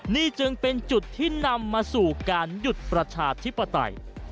นี่จึงเป็นจุดที่นำมาสู่การหยุดประชาธิปไตย